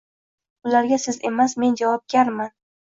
Bularga siz emas, men javobgarman